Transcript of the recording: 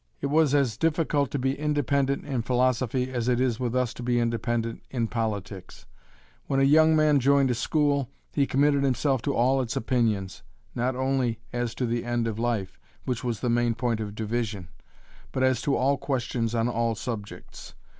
It was as difficult to be independent in philosophy as it is with us to be independent in politics. When a young man joined a school, he committed himself to all its opinions, not only as to the end of life, which was the main point of division, but as to all questions on all subjects.